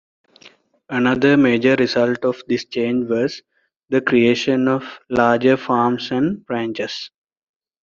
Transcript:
Another major result of this change was the creation of larger farms and ranches.